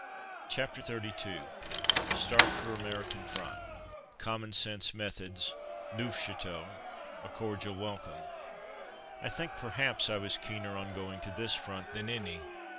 CHAPTER XXXII START FOR AMERICAN FRONT COMMON SENSE METHODS — NEUFCHATEAU — A CORDIAL WELCOME I THINK, perhaps, I was keener on going to this front than any.